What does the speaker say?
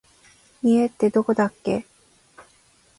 家ってどこだっけ